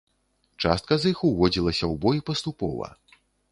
Частка з іх уводзілася ў бой паступова.